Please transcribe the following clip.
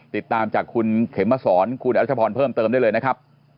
ติดตามจากคุณเขมสอนคุณอรัชพรเพิ่มเติมได้เลยนะครับ